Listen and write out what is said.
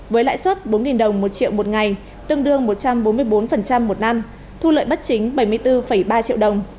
với lãi suất bốn đồng một triệu một ngày tương đương một trăm bốn mươi bốn một năm thu lợi bất chính bảy mươi bốn ba triệu đồng